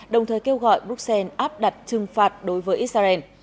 đồng thời kêu gọi bruxelles áp đặt trừng phạt đối với israel